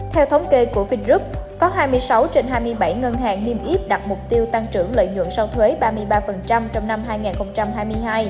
theo thống kê của vingroup có hai mươi sáu trên hai mươi bảy ngân hàng niêm yếp đặt mục tiêu tăng trưởng lợi nhuận sau thuế ba mươi ba trong năm hai nghìn hai mươi hai